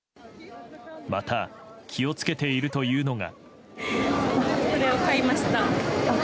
また気を付けているというのが。